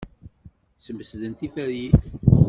Smesdent tiferyin.